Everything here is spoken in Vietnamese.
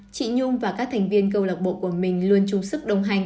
chị nhung và các thành viên câu lạc bộ của mình luôn chung sức đồng hành